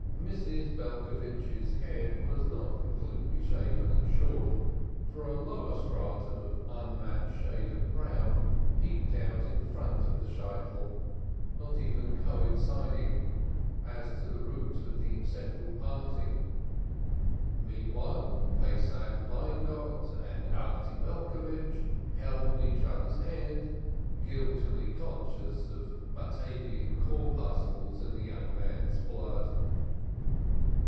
Mrs. Belcovitch's head was not completely shaven and shorn, for a lower stratum of an unmatched shade of brown peeped out in front of the shaitel, not even coinciding as to the route of the central parting. Meantime Pesach Weingott and Alte (Fanny) Belcovitch held each other's hand, guiltily conscious of Batavian corpuscles in the young man's blood.